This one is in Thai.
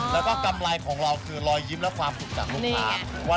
แล้วก็กำไรของเราคือรอยยิ้มและความสุขจากลูกค้า